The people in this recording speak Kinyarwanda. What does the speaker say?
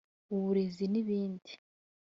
uburezi n’ibindi